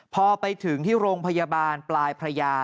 พอไปถึงที่โรงพยาบาลปลายพระยา